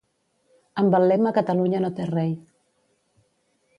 Amb el lema Catalunya no té rei